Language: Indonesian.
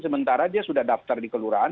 sementara dia sudah daftar di kelurahan